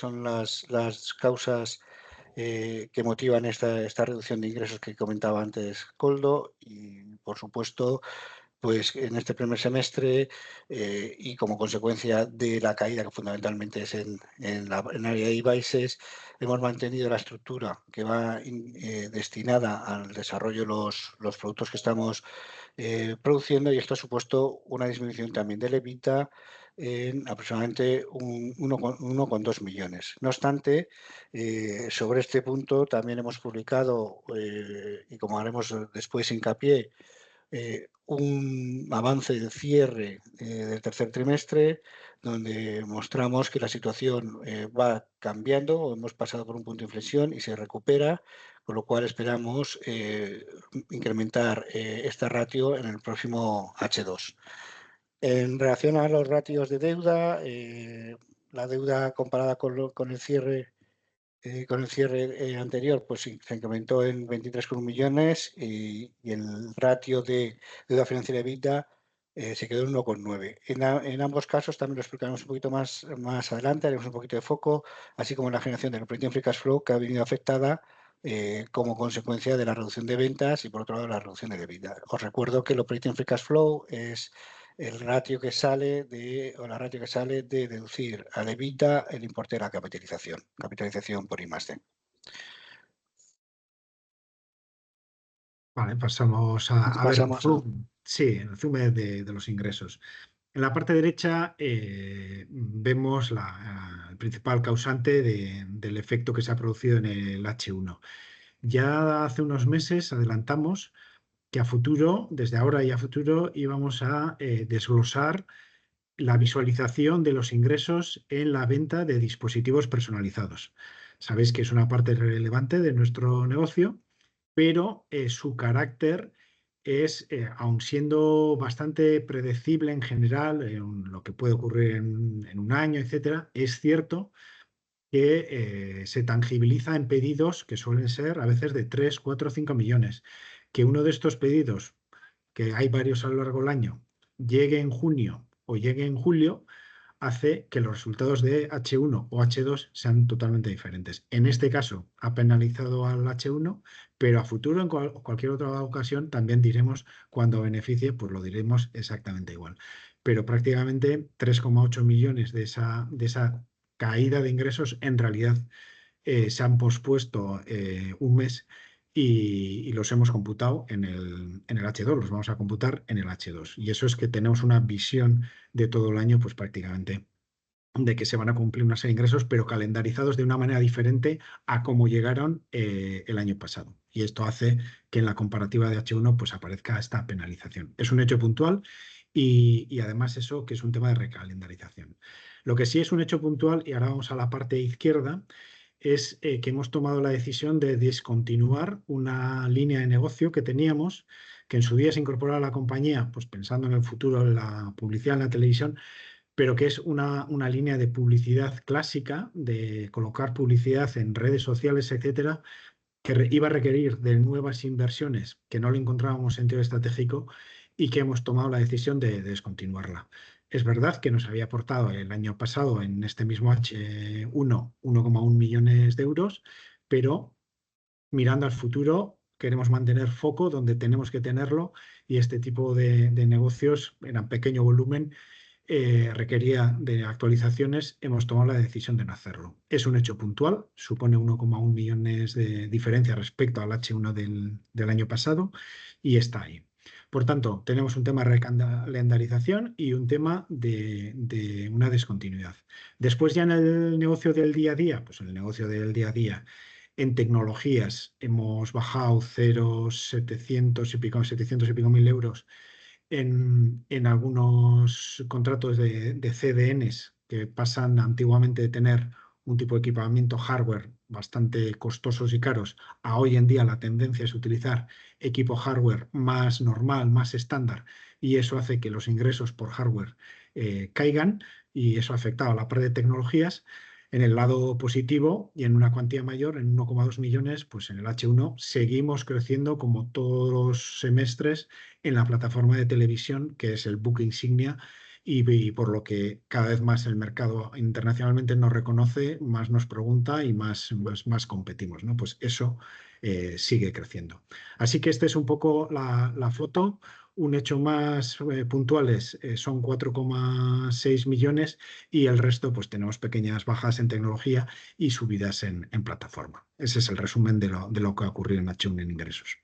Son las causas que motivan esta reducción de ingresos que comentaba antes Koldo, y por supuesto, en este primer semestre, y como consecuencia de la caída que fundamentalmente es en el área de devices, hemos mantenido la estructura que va destinada al desarrollo de los productos que estamos produciendo, y esto ha supuesto una disminución también del EBITDA en aproximadamente €1,2 millones. No obstante, sobre este punto también hemos publicado, y como haremos después hincapié, un avance de cierre del tercer trimestre, donde mostramos que la situación va cambiando, hemos pasado por un punto de inflexión y se recupera, con lo cual esperamos incrementar esta ratio en el próximo H2. En relación a los ratios de deuda, la deuda comparada con el cierre anterior se incrementó en €23,1 millones, y el ratio de deuda financiera EBITDA se quedó en 1,9. En ambos casos, también lo explicaremos un poquito más adelante, haremos un poquito de foco, así como la generación de operating free cash flow que ha venido afectada como consecuencia de la reducción de ventas y, por otro lado, la reducción del EBITDA. Os recuerdo que el operating free cash flow es el ratio que sale de deducir al EBITDA el importe de la capitalización por I+D. Vale, pasamos a ver el zoom. Pasamos. Sí, el zoom de los ingresos. En la parte derecha vemos el principal causante del efecto que se ha producido en el H1. Ya hace unos meses adelantamos que a futuro, desde ahora y a futuro, íbamos a desglosar la visualización de los ingresos en la venta de dispositivos personalizados. Sabéis que es una parte relevante de nuestro negocio, pero su carácter es, aun siendo bastante predecible en general, lo que puede ocurrir en un año, etcétera, es cierto que se tangibiliza en pedidos que suelen ser a veces de tres, cuatro o cinco millones. Que uno de estos pedidos, que hay varios a lo largo del año, llegue en junio o llegue en julio, hace que los resultados de H1 o H2 sean totalmente diferentes. En este caso, ha penalizado al H1, pero a futuro, en cualquier otra ocasión, también diremos cuando beneficie, lo diremos exactamente igual. Pero prácticamente €3,8 millones de esa caída de ingresos en realidad se han pospuesto un mes y los hemos computado en el H2, los vamos a computar en el H2. Eso es que tenemos una visión de todo el año prácticamente de que se van a cumplir una serie de ingresos, pero calendarizados de una manera diferente a como llegaron el año pasado. Esto hace que en la comparativa de H1 aparezca esta penalización. Es un hecho puntual y además eso que es un tema de recalendarización. Lo que sí es un hecho puntual, y ahora vamos a la parte izquierda, es que hemos tomado la decisión de descontinuar una línea de negocio que teníamos, que en su día se incorporó a la compañía pensando en el futuro de la publicidad en la televisión, pero que es una línea de publicidad clásica, de colocar publicidad en redes sociales, etcétera, que iba a requerir de nuevas inversiones que no lo encontrábamos en teoría estratégico y que hemos tomado la decisión de descontinuarla. Es verdad que nos había aportado el año pasado en este mismo H1 €1,1 millones, pero mirando al futuro queremos mantener foco donde tenemos que tenerlo y este tipo de negocios en pequeño volumen requería de actualizaciones, hemos tomado la decisión de no hacerlo. Es un hecho puntual, supone €1,1 millones de diferencia respecto al H1 del año pasado y está ahí. Por tanto, tenemos un tema de recalendarización y un tema de una descontinuidad. Después, ya en el negocio del día a día, en el negocio del día a día en tecnologías, hemos bajado €700 y pico mil en algunos contratos de CDNs que pasan antiguamente de tener un tipo de equipamiento hardware bastante costoso y caro, a hoy en día la tendencia es utilizar equipo hardware más normal, más estándar, y eso hace que los ingresos por hardware caigan y eso ha afectado a la parte de tecnologías. En el lado positivo y en una cuantía mayor, en €1,2 millones, en el H1 seguimos creciendo como todos los semestres en la plataforma de televisión, que es el buque insignia, y por lo que cada vez más el mercado internacionalmente nos reconoce, más nos pregunta y más competimos. Eso sigue creciendo. Así que esta es un poco la foto. Un hecho más puntual son €4,6 millones y el resto tenemos pequeñas bajas en tecnología y subidas en plataforma. Ese es el resumen de lo que ha ocurrido en H1 en ingresos.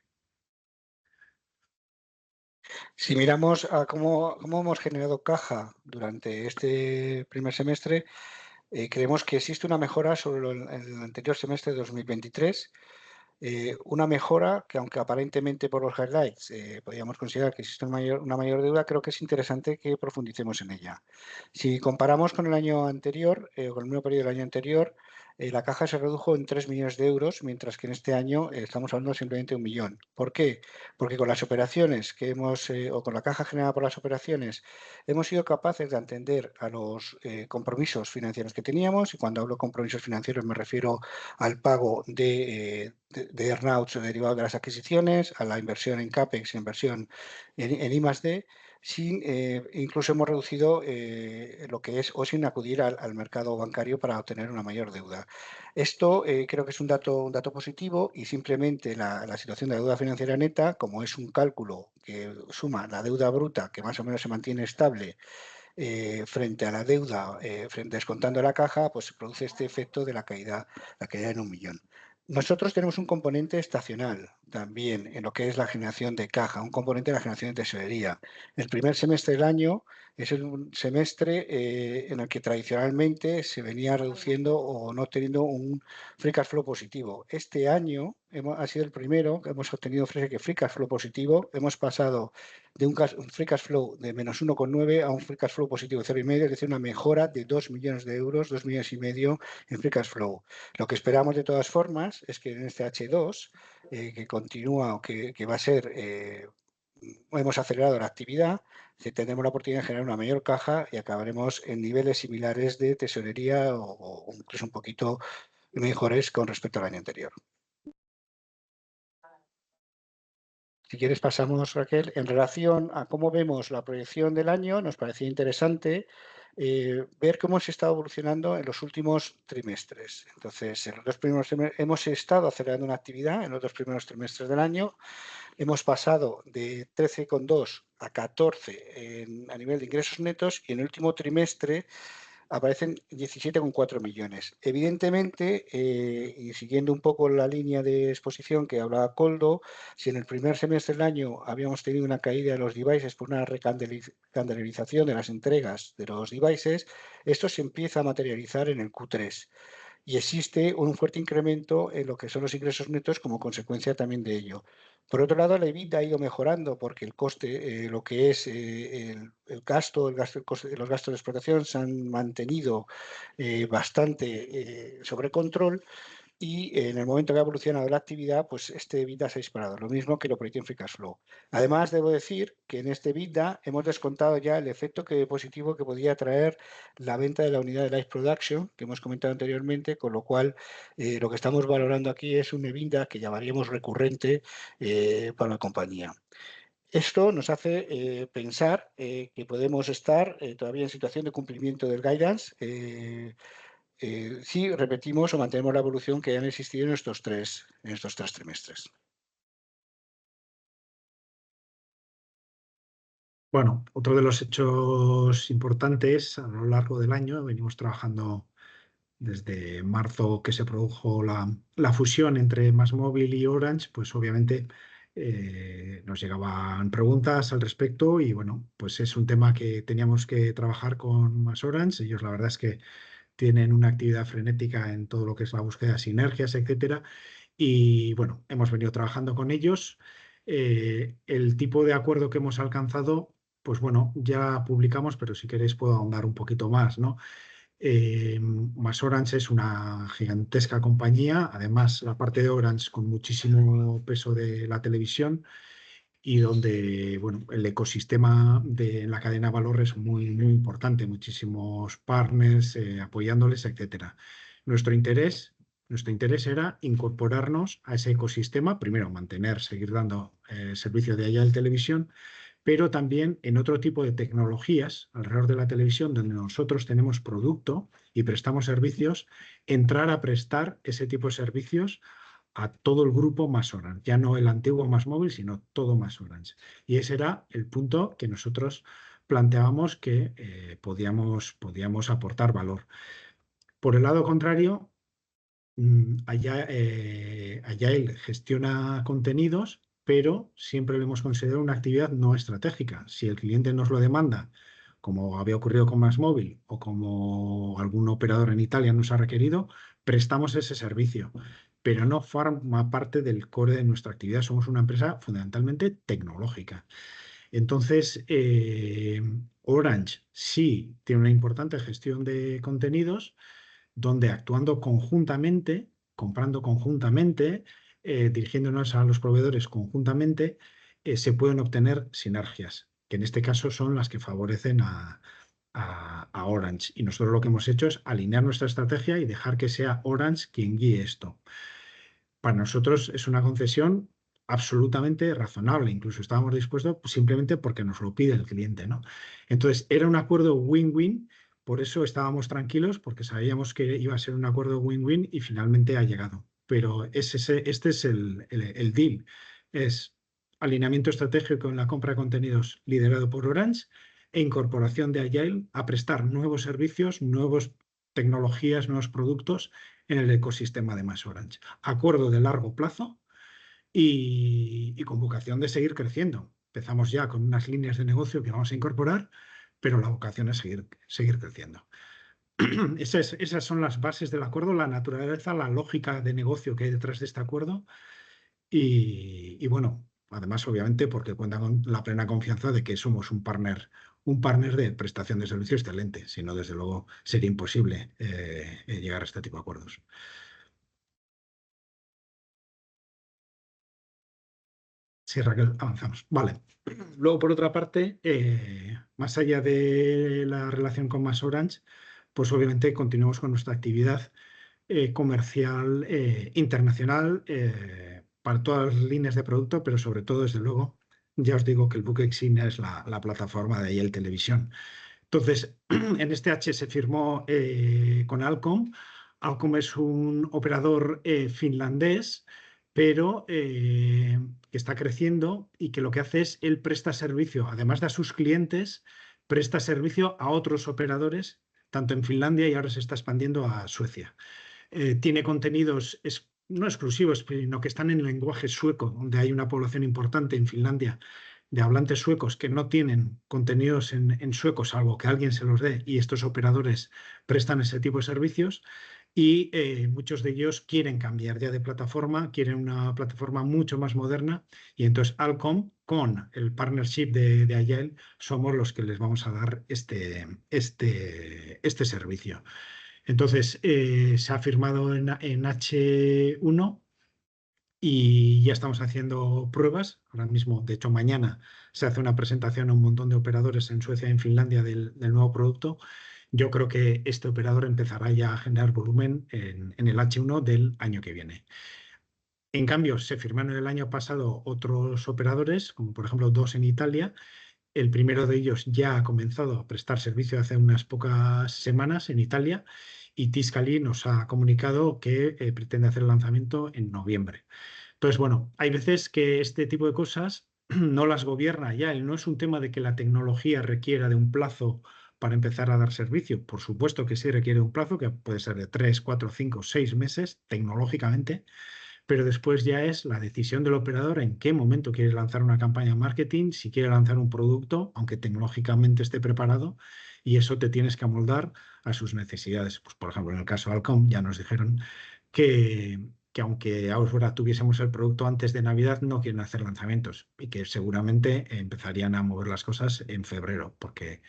Si miramos cómo hemos generado caja durante este primer semestre, creemos que existe una mejora sobre el anterior semestre de 2023, una mejora que aunque aparentemente por los highlights podríamos considerar que existe una mayor deuda, creo que es interesante que profundicemos en ella. Si comparamos con el año anterior, con el mismo período del año anterior, la caja se redujo en €3 millones, mientras que en este año estamos hablando simplemente de €1 millón. ¿Por qué? Porque con las operaciones que hemos, o con la caja generada por las operaciones, hemos sido capaces de atender a los compromisos financieros que teníamos, y cuando hablo de compromisos financieros me refiero al pago de earn-outs derivados de las adquisiciones, a la inversión en capex, inversión en I+D, incluso hemos reducido sin acudir al mercado bancario para obtener una mayor deuda. Esto creo que es un dato positivo y simplemente la situación de la deuda financiera neta, como es un cálculo que suma la deuda bruta que más o menos se mantiene estable frente a la deuda descontando la caja, produce este efecto de la caída en €1 millón. Nosotros tenemos un componente estacional también en lo que es la generación de caja, un componente de la generación de tesorería. El primer semestre del año es un semestre en el que tradicionalmente se venía reduciendo o no teniendo un free cash flow positivo. Este año ha sido el primero que hemos obtenido free cash flow positivo, hemos pasado de un free cash flow de -€1,9 a un free cash flow positivo de €0,5, es decir, una mejora de €2 millones, €2 millones y medio en free cash flow. Lo que esperamos de todas formas es que en este segundo semestre, que continúa o que va a ser, hemos acelerado la actividad, tendremos la oportunidad de generar una mayor caja y acabaremos en niveles similares de tesorería o incluso un poquito mejores con respecto al año anterior. Si quieres pasamos, Raquel, en relación a cómo vemos la proyección del año, nos parecía interesante ver cómo se ha estado evolucionando en los últimos trimestres. Entonces, en los dos primeros hemos estado acelerando una actividad en los dos primeros trimestres del año, hemos pasado de €13,2 millones a €14 millones a nivel de ingresos netos y en el último trimestre aparecen €17,4 millones. Evidentemente, y siguiendo un poco la línea de exposición que hablaba Koldo, si en el primer semestre del año habíamos tenido una caída de los devices por una recanalización de las entregas de los devices, esto se empieza a materializar en el Q3 y existe un fuerte incremento en lo que son los ingresos netos como consecuencia también de ello. Por otro lado, el EBITDA ha ido mejorando porque el coste, lo que es el gasto de explotación, se han mantenido bastante bajo control y en el momento que ha evolucionado la actividad, este EBITDA se ha disparado, lo mismo que el operating free cash flow. Además, debo decir que en este EBITDA hemos descontado ya el efecto positivo que podía traer la venta de la unidad de live production, que hemos comentado anteriormente, con lo cual lo que estamos valorando aquí es un EBITDA que llamaríamos recurrente para la compañía. Esto nos hace pensar que podemos estar todavía en situación de cumplimiento del guidance si repetimos o mantenemos la evolución que haya existido en estos tres trimestres. Otro de los hechos importantes a lo largo del año, venimos trabajando desde marzo que se produjo la fusión entre MassMobile y Orange, obviamente nos llegaban preguntas al respecto y es un tema que teníamos que trabajar con MassOrange. Ellos, la verdad, es que tienen una actividad frenética en todo lo que es la búsqueda de sinergias, etcétera, y hemos venido trabajando con ellos. El tipo de acuerdo que hemos alcanzado ya publicamos, pero si queréis puedo ahondar un poquito más. MasOrange es una gigantesca compañía, además la parte de Orange con muchísimo peso de la televisión y donde el ecosistema de la cadena de valor es muy importante, muchísimos partners apoyándoles, etcétera. Nuestro interés era incorporarnos a ese ecosistema, primero mantener, seguir dando servicio de allá de televisión, pero también en otro tipo de tecnologías alrededor de la televisión, donde nosotros tenemos producto y prestamos servicios, entrar a prestar ese tipo de servicios a todo el grupo MasOrange, ya no el antiguo MasMobile, sino todo MasOrange. Ese era el punto que nosotros planteábamos que podíamos aportar valor. Por el lado contrario, allá gestiona contenidos, pero siempre lo hemos considerado una actividad no estratégica. Si el cliente nos lo demanda, como había ocurrido con MassMobile o como algún operador en Italia nos ha requerido, prestamos ese servicio, pero no forma parte del core de nuestra actividad, somos una empresa fundamentalmente tecnológica. Entonces, Orange sí tiene una importante gestión de contenidos, donde actuando conjuntamente, comprando conjuntamente, dirigiéndonos a los proveedores conjuntamente, se pueden obtener sinergias, que en este caso son las que favorecen a Orange. Nosotros lo que hemos hecho es alinear nuestra estrategia y dejar que sea Orange quien guíe esto. Para nosotros es una concesión absolutamente razonable, incluso estábamos dispuestos simplemente porque nos lo pide el cliente. Entonces, era un acuerdo win-win, por eso estábamos tranquilos, porque sabíamos que iba a ser un acuerdo win-win y finalmente ha llegado. Pero este es el deal, es alineamiento estratégico en la compra de contenidos liderado por Orange e incorporación de Agile a prestar nuevos servicios, nuevas tecnologías, nuevos productos en el ecosistema de MassOrange. Acuerdo de largo plazo y con vocación de seguir creciendo. Empezamos ya con unas líneas de negocio que vamos a incorporar, pero la vocación es seguir creciendo. Esas son las bases del acuerdo, la naturaleza, la lógica de negocio que hay detrás de este acuerdo. Además, obviamente, porque cuenta con la plena confianza de que somos un partner de prestación de servicios excelente, si no, desde luego, sería imposible llegar a este tipo de acuerdos. Sí, Raquel, avanzamos. Luego, por otra parte, más allá de la relación con MassOrange, obviamente continuamos con nuestra actividad comercial internacional para todas las líneas de producto, pero sobre todo, desde luego, ya os digo que el buque insignia es la plataforma de Agile Televisión. Entonces, en este semestre se firmó con Alcom. Alcom es un operador finlandés, pero que está creciendo y que lo que hace es que él presta servicio, además de a sus clientes, presta servicio a otros operadores, tanto en Finlandia y ahora se está expandiendo a Suecia. Tiene contenidos no exclusivos, sino que están en lenguaje sueco, donde hay una población importante en Finlandia de hablantes suecos que no tienen contenidos en sueco, salvo que alguien se los dé, y estos operadores prestan ese tipo de servicios. Y muchos de ellos quieren cambiar ya de plataforma, quieren una plataforma mucho más moderna, y entonces Alcom, con el partnership de Agile, somos los que les vamos a dar este servicio. Entonces, se ha firmado en H1 y ya estamos haciendo pruebas. Ahora mismo, de hecho, mañana se hace una presentación a un montón de operadores en Suecia y en Finlandia del nuevo producto. Yo creo que este operador empezará ya a generar volumen en el H1 del año que viene. En cambio, se firmaron el año pasado otros operadores, como por ejemplo dos en Italia. El primero de ellos ya ha comenzado a prestar servicio hace unas pocas semanas en Italia, y Tiscali nos ha comunicado que pretende hacer el lanzamiento en noviembre. Entonces, hay veces que este tipo de cosas no las gobierna Agile. No es un tema de que la tecnología requiera de un plazo para empezar a dar servicio. Por supuesto que sí requiere de un plazo, que puede ser de tres, cuatro, cinco, seis meses tecnológicamente, pero después ya es la decisión del operador en qué momento quiere lanzar una campaña de marketing, si quiere lanzar un producto, aunque tecnológicamente esté preparado, y eso te tienes que amoldar a sus necesidades. Por ejemplo, en el caso de Alcom, ya nos dijeron que aunque ahora tuviésemos el producto antes de Navidad, no quieren hacer lanzamientos y que seguramente empezarían a mover las cosas en febrero, porque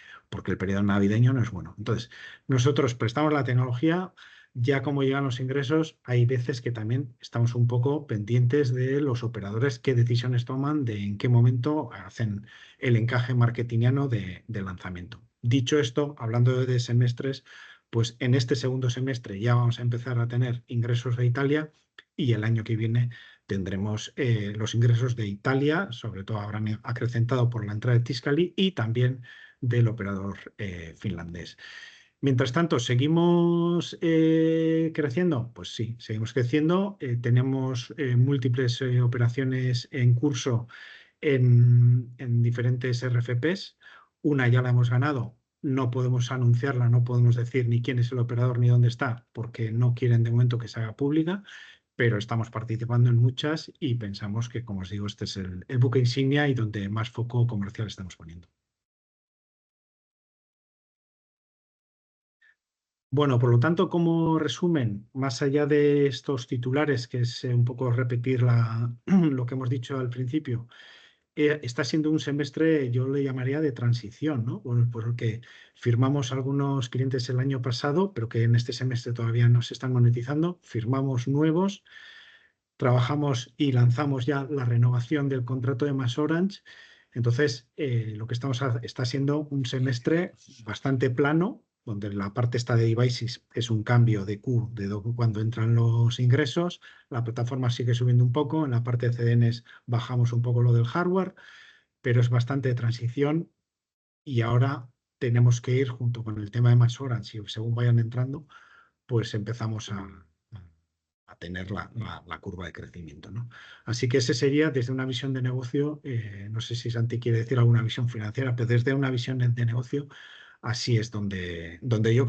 el período navideño no es bueno. Entonces, nosotros prestamos la tecnología. Ya como llegan los ingresos, hay veces que también estamos un poco pendientes de los operadores, qué decisiones toman, de en qué momento hacen el encaje mercadotécnico del lanzamiento. Dicho esto, hablando de semestres, en este segundo semestre ya vamos a empezar a tener ingresos de Italia y el año que viene tendremos los ingresos de Italia, sobre todo ahora acrecentado por la entrada de Tiscali y también del operador finlandés. Mientras tanto, ¿seguimos creciendo? Pues sí, seguimos creciendo. Tenemos múltiples operaciones en curso en diferentes RFPs. Una ya la hemos ganado, no podemos anunciarla, no podemos decir ni quién es el operador ni dónde está, porque no quieren de momento que se haga pública, pero estamos participando en muchas y pensamos que, como os digo, este es el buque insignia y donde más foco comercial estamos poniendo. Por lo tanto, como resumen, más allá de estos titulares, que es un poco repetir lo que hemos dicho al principio, está siendo un semestre, yo lo llamaría de transición, porque firmamos algunos clientes el año pasado, pero que en este semestre todavía no se están monetizando. Firmamos nuevos, trabajamos y lanzamos ya la renovación del contrato de MassOrange. Entonces, lo que está siendo un semestre bastante plano, donde la parte esta de devices es un cambio de Q de cuando entran los ingresos. La plataforma sigue subiendo un poco, en la parte de CDNs bajamos un poco lo del hardware, pero es bastante de transición y ahora tenemos que ir, junto con el tema de MassOrange, y según vayan entrando, empezamos a tener la curva de crecimiento. Así que ese sería, desde una visión de negocio, no sé si Santi quiere decir alguna visión financiera, pero desde una visión de negocio así es donde yo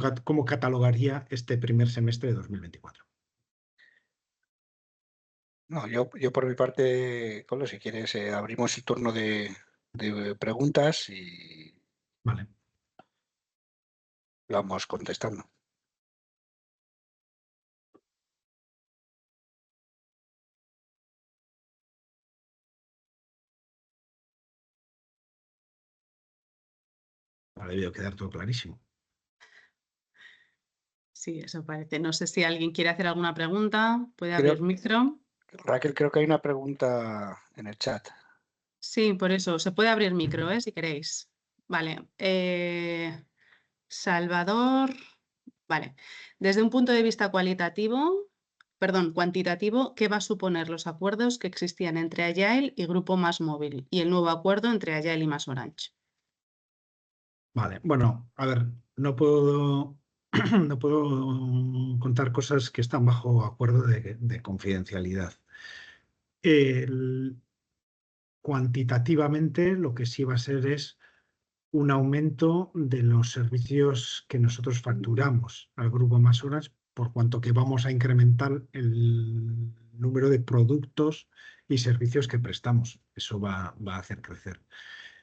catalogaría este primer semestre de 2024. No, yo por mi parte, Koldo, si quieres, abrimos el turno de preguntas y vamos contestando. Vale, ha quedado todo clarísimo. Sí, eso parece. No sé si alguien quiere hacer alguna pregunta, puede abrir micrófono. Raquel, creo que hay una pregunta en el chat. Sí, por eso, se puede abrir micrófono, si queréis. Vale. Salvador, vale. Desde un punto de vista cuantitativo, ¿qué va a suponer los acuerdos que existían entre Agile y Grupo MassMobile y el nuevo acuerdo entre Agile y MassOrange? Vale. A ver, no puedo contar cosas que están bajo acuerdo de confidencialidad. Cuantitativamente, lo que sí va a ser es un aumento de los servicios que nosotros facturamos al Grupo MassOrange, por cuanto que vamos a incrementar el número de productos y servicios que prestamos. Eso va a hacer crecer.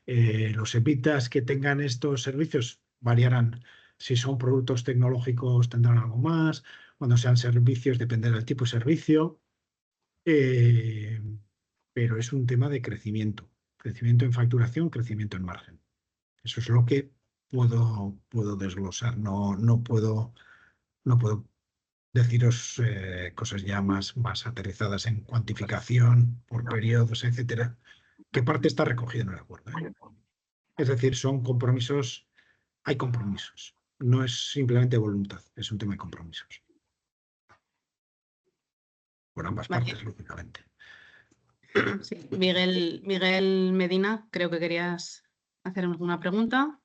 Los EBITDAs que tengan estos servicios variarán. Si son productos tecnológicos, tendrán algo más; cuando sean servicios, dependerá del tipo de servicio. Pero es un tema de crecimiento, crecimiento en facturación, crecimiento en margen. Eso es lo que puedo desglosar. No puedo deciros cosas ya más aterrizadas en cuantificación por períodos, etcétera. ¿Qué parte está recogida en el acuerdo? Es decir, hay compromisos, no es simplemente voluntad, es un tema de compromisos. Por ambas partes, lógicamente. Sí. Miguel Medina, creo que querías hacer alguna pregunta.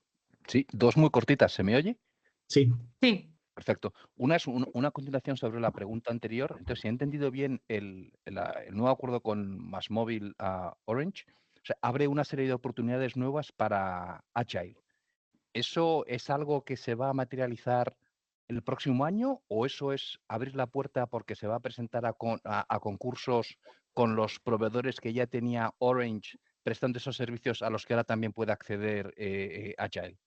Sí. Dos muy cortitas, ¿se me oye? Sí. Sí. Perfecto. Una es una continuación sobre la pregunta anterior. Entonces, si he entendido bien, el nuevo acuerdo con MassMobile a Orange abre una serie de oportunidades nuevas para Agile. ¿Eso es algo que se va a materializar el próximo año o eso es abrir la puerta porque se va a presentar a concursos con los proveedores que ya tenía Orange prestando esos servicios a los que ahora también puede acceder Agile?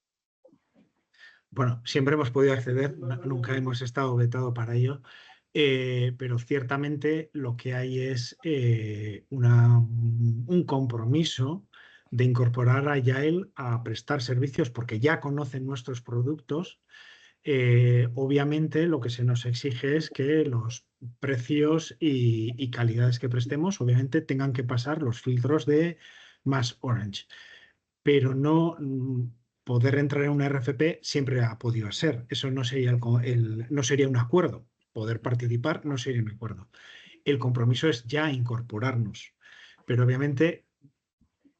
Siempre hemos podido acceder, nunca hemos estado vetados para ello, pero ciertamente lo que hay es un compromiso de incorporar a Agile a prestar servicios porque ya conocen nuestros productos. Obviamente, lo que se nos exige es que los precios y calidades que prestemos, obviamente, tengan que pasar los filtros de MassOrange. Pero no poder entrar en un RFP siempre ha podido ser. Eso no sería un acuerdo. Poder participar no sería un acuerdo. El compromiso es ya incorporarnos. Pero, obviamente,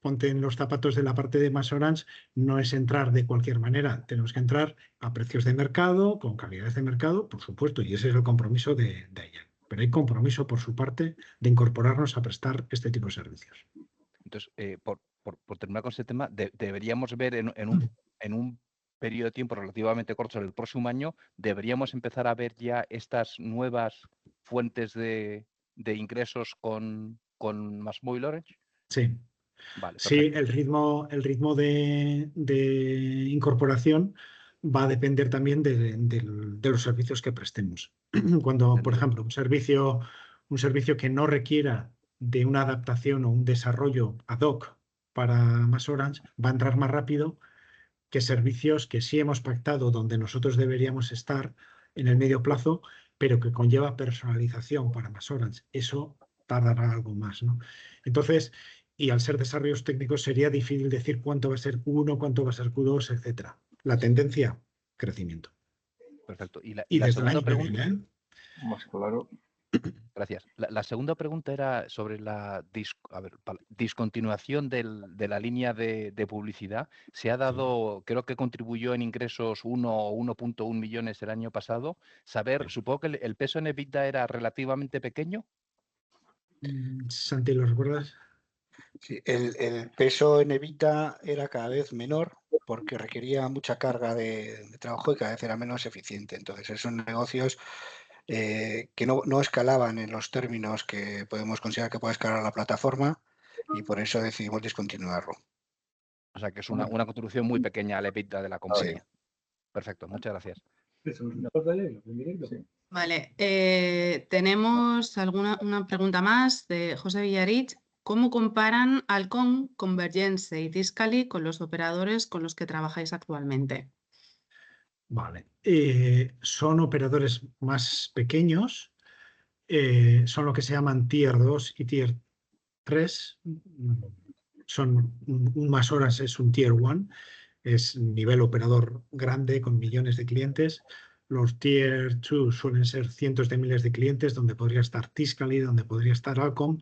ponte en los zapatos de la parte de MassOrange, no es entrar de cualquier manera. Tenemos que entrar a precios de mercado, con calidades de mercado, por supuesto, y ese es el compromiso de Agile. Pero hay compromiso por su parte de incorporarnos a prestar este tipo de servicios. Entonces, para terminar con este tema, deberíamos ver en un período de tiempo relativamente corto, el próximo año, deberíamos empezar a ver ya estas nuevas fuentes de ingresos con MassMobile Orange. Sí. Vale. Sí, el ritmo de incorporación va a depender también de los servicios que prestemos. Cuando, por ejemplo, un servicio que no requiera de una adaptación o un desarrollo ad hoc para MassOrange, va a entrar más rápido que servicios que sí hemos pactado donde nosotros deberíamos estar en el medio plazo, pero que conlleva personalización para MassOrange. Eso tardará algo más. Y al ser desarrollos técnicos, sería difícil decir cuánto va a ser Q1, cuánto va a ser Q2, etcétera. La tendencia: crecimiento. Perfecto. Y la segunda pregunta. Más claro. Gracias. La segunda pregunta era sobre la discontinuación de la línea de publicidad. Se ha dado, creo que contribuyó en ingresos $1 o $1.1 millones el año pasado. Supongo que el peso en EBITDA era relativamente pequeño. Santi, ¿lo recuerdas? Sí. El peso en EBITDA era cada vez menor porque requería mucha carga de trabajo y cada vez era menos eficiente. Entonces, esos negocios que no escalaban en los términos que podemos considerar que puede escalar la plataforma, y por eso decidimos descontinuarlo. O sea que es una contribución muy pequeña al EBITDA de la compañía. Sí. Perfecto. Muchas gracias. Eso es un aporte directo. Vale. Tenemos una pregunta más de José Villarich. ¿Cómo comparan Alcom, Convergence y Tiscali con los operadores con los que trabajáis actualmente? Vale. Son operadores más pequeños. Son lo que se llaman Tier 2 y Tier 3. MassOrange es un Tier 1, es nivel operador grande con millones de clientes. Los Tier 2 suelen ser cientos de miles de clientes, donde podría estar Tiscali, donde podría estar Alcom,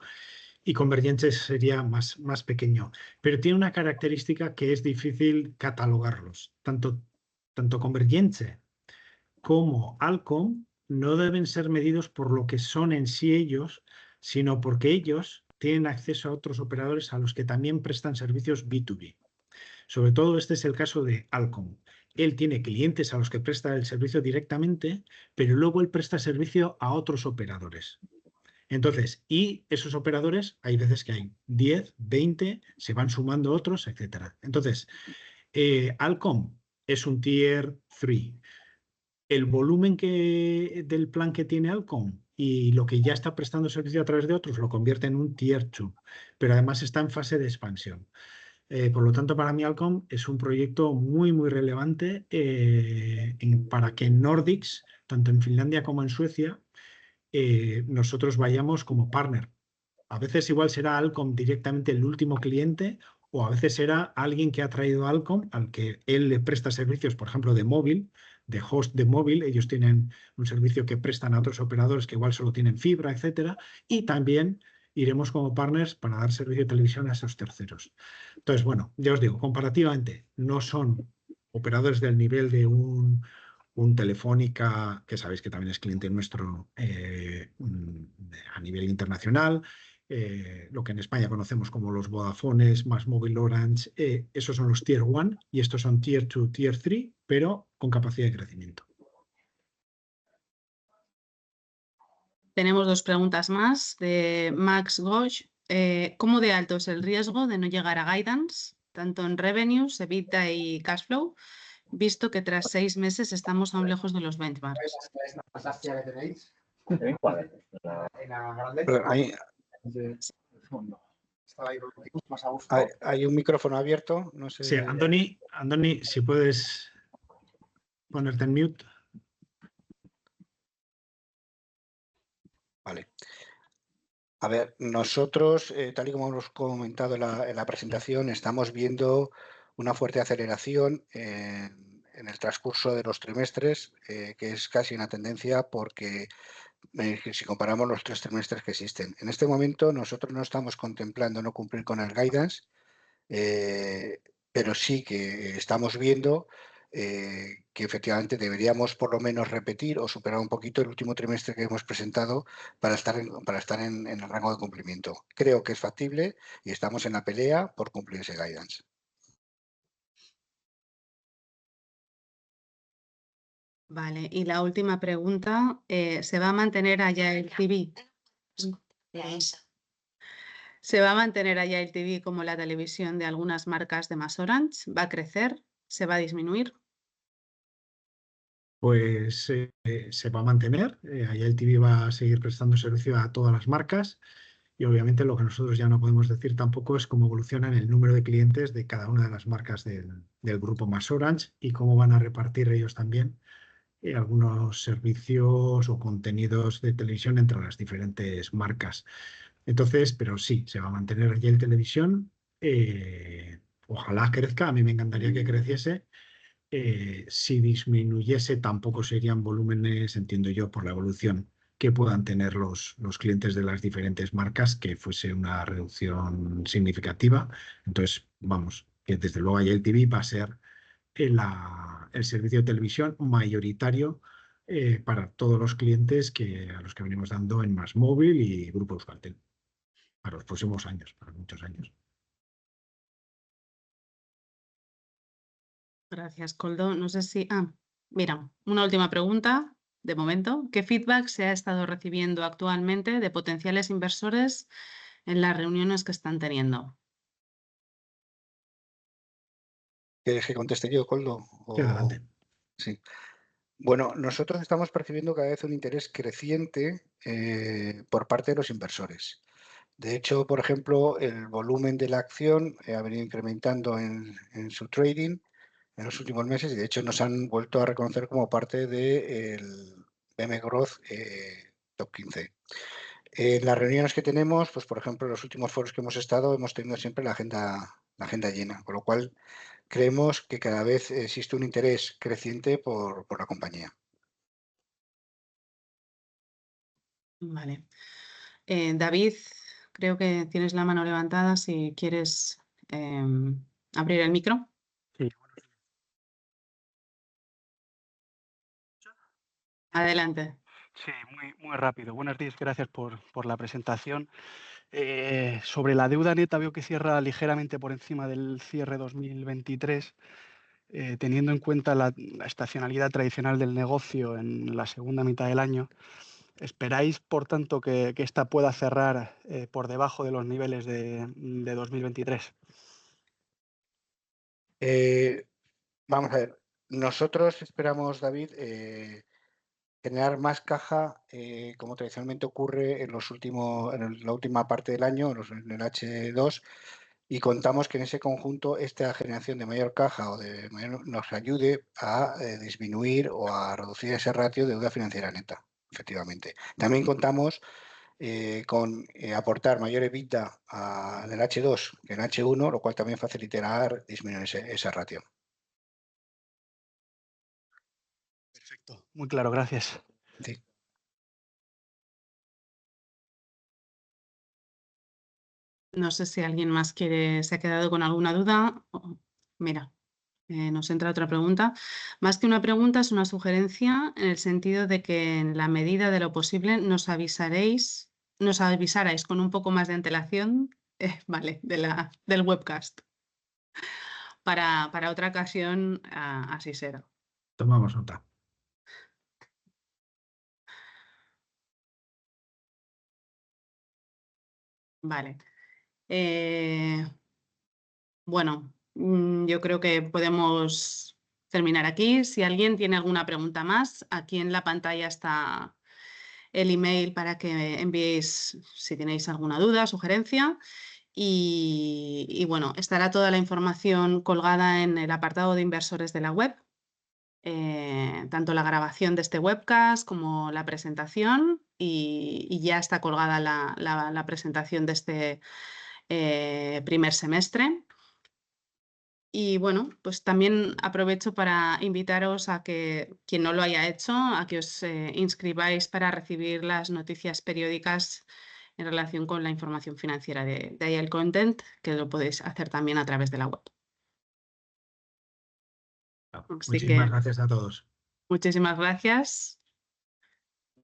y Convergence sería más pequeño. Pero tiene una característica que es difícil catalogarlos. Tanto Convergence como Alcom no deben ser medidos por lo que son en sí ellos, sino porque ellos tienen acceso a otros operadores a los que también prestan servicios B2B. Sobre todo, este es el caso de Alcom. Él tiene clientes a los que presta el servicio directamente, pero luego él presta servicio a otros operadores. Y esos operadores, hay veces que hay 10, 20, se van sumando otros, etcétera. Entonces, Alcom es un Tier 3. El volumen del plan que tiene Alcom y lo que ya está prestando servicio a través de otros lo convierte en un Tier 2, pero además está en fase de expansión. Por lo tanto, para mí, Alcom es un proyecto muy, muy relevante para que en Nordics, tanto en Finlandia como en Suecia, nosotros vayamos como partner. A veces será Alcom directamente el último cliente, o a veces será alguien que ha traído a Alcom, al que él le presta servicios, por ejemplo, de móvil, de host de móvil. Ellos tienen un servicio que prestan a otros operadores que solo tienen fibra, etcétera. Y también iremos como partners para dar servicio de televisión a esos terceros. Entonces, ya os digo, comparativamente, no son operadores del nivel de un Telefónica, que sabéis que también es cliente nuestro a nivel internacional, lo que en España conocemos como los Vodafone, MassMobile, Orange. Esos son los Tier 1, y estos son Tier 2, Tier 3, pero con capacidad de crecimiento. Tenemos dos preguntas más de Max Goig. ¿Cómo de alto es el riesgo de no llegar a guidance, tanto en revenues, EBITDA y cash flow, visto que tras seis meses estamos aún lejos de los benchmarks? Ahí está la sala, ya la tenéis. ¿Tenéis cuadro? Ahí en el fondo. Está ahí el último más a gusto. Hay un micrófono abierto, no sé. Sí, Antoni, si puedes ponerte en mute. Vale. A ver, nosotros, tal y como hemos comentado en la presentación, estamos viendo una fuerte aceleración en el transcurso de los trimestres, que es casi una tendencia, porque si comparamos los tres trimestres que existen. En este momento, nosotros no estamos contemplando no cumplir con el guidance, pero sí que estamos viendo que efectivamente deberíamos por lo menos repetir o superar un poquito el último trimestre que hemos presentado para estar en el rango de cumplimiento. Creo que es factible y estamos en la pelea por cumplir ese guidance. Vale. Y la última pregunta: ¿se va a mantener Agile TV? ¿Se va a mantener Agile TV como la televisión de algunas marcas de MassOrange? ¿Va a crecer? ¿Se va a disminuir? Se va a mantener. Agile TV va a seguir prestando servicio a todas las marcas. Y, obviamente, lo que nosotros ya no podemos decir tampoco es cómo evolucionan el número de clientes de cada una de las marcas del Grupo MasOrange y cómo van a repartir ellos también algunos servicios o contenidos de televisión entre las diferentes marcas. Pero sí, se va a mantener Agile Televisión. Ojalá crezca. A mí me encantaría que creciese. Si disminuyese, tampoco serían volúmenes, entiendo yo, por la evolución que puedan tener los clientes de las diferentes marcas, que fuese una reducción significativa. Entonces, vamos, que desde luego Agile TV va a ser el servicio de televisión mayoritario para todos los clientes a los que venimos dando en MassMobile y Grupo Euskaltel para los próximos años, para muchos años. Gracias, Koldo. No sé si... mira, una última pregunta, de momento. ¿Qué feedback se ha estado recibiendo actualmente de potenciales inversores en las reuniones que están teniendo? ¿Quieres que conteste yo, Koldo, o? Sí. Nosotros estamos percibiendo cada vez un interés creciente por parte de los inversores. De hecho, por ejemplo, el volumen de la acción ha venido incrementando en su trading en los últimos meses, y de hecho nos han vuelto a reconocer como parte del MGrowth Top 15. En las reuniones que tenemos, por ejemplo, en los últimos foros que hemos estado, hemos tenido siempre la agenda llena, con lo cual creemos que cada vez existe un interés creciente por la compañía. Vale. David, creo que tienes la mano levantada si quieres abrir el micrófono. Sí, buenos días. Adelante. Sí, muy rápido. Buenos días, gracias por la presentación. Sobre la deuda neta, veo que cierra ligeramente por encima del cierre 2023. Teniendo en cuenta la estacionalidad tradicional del negocio en la segunda mitad del año, ¿esperáis, por tanto, que esta pueda cerrar por debajo de los niveles de 2023? Vamos a ver. Nosotros esperamos, David, generar más caja, como tradicionalmente ocurre en la última parte del año, en el H2, y contamos que en ese conjunto esta generación de mayor caja nos ayude a disminuir o a reducir ese ratio de deuda financiera neta, efectivamente. También contamos con aportar mayor EBITDA en el H2 que en el H1, lo cual también facilitará disminuir ese ratio. Perfecto. Muy claro, gracias. Sí. No sé si alguien más se ha quedado con alguna duda. Mira, nos entra otra pregunta. Más que una pregunta, es una sugerencia en el sentido de que, en la medida de lo posible, nos avisarais con un poco más de antelación del webcast. Para otra ocasión, así será. Tomamos nota. Vale. Bueno, yo creo que podemos terminar aquí. Si alguien tiene alguna pregunta más, aquí en la pantalla está el email para que enviéis si tenéis alguna duda, sugerencia. Estará toda la información colgada en el apartado de inversores de la web, tanto la grabación de este webcast como la presentación, y ya está colgada la presentación de este primer semestre. También aprovecho para invitaros a que, quien no lo haya hecho, a que os inscribáis para recibir las noticias periódicas en relación con la información financiera de Agile Content, que lo podéis hacer también a través de la web. Muchísimas gracias a todos. Muchísimas gracias.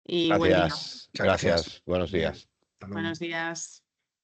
Y buenas. Gracias. Buenos días. Buenos días.